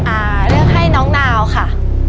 อ่าเลือกให้น้องนาวค่ะ